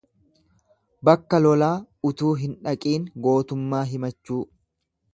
Bakka lolaa utuu hin dhaqiin gootummaa himachuu.